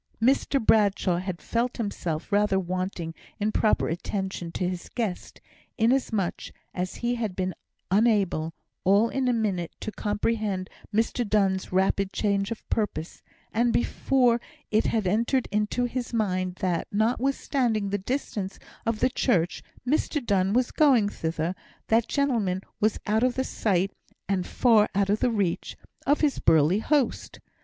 Mr Bradshaw had felt himself rather wanting in proper attention to his guest, inasmuch as he had been unable, all in a minute, to comprehend Mr Donne's rapid change of purpose; and, before it had entered into his mind that, notwithstanding the distance of the church, Mr Donne was going thither, that gentleman was out of the sight, and far out of the reach, of his burly host.